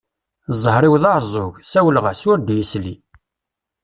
Zzher-iw d aɛeẓẓug, ssawleɣ-as, ur d-yesli.